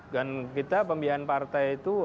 dan kita pembiayaan partai itu